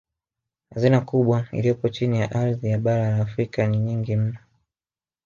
Hazina kubwa iliyopo chini ya ardhi ya bara la Afrika ni nyingi mno